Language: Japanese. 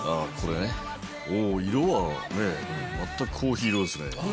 色はね全くコーヒー色ですね。